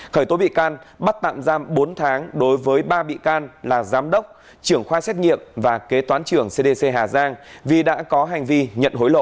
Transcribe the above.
khởi tố bị can bắt tạm giam bốn tháng đối với ba bị can là giám đốc trưởng khoa xét nghiệm và kế toán trưởng cdc hà giang vì đã có hành vi nhận hối lộ